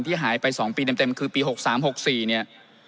ที่หายไป๒ปีเต็มคือปี๖๓๖๔